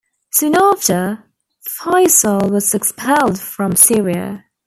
Soon after, Faisal was expelled from Syria.